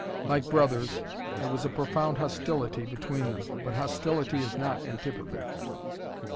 Like brothers, there was a profound hostility between them. But hostility is not antipathy.